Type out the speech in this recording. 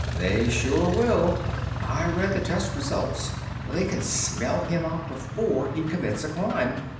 "They sure will. I read the test results. They can smell him out before he commits a crime.